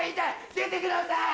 出てください！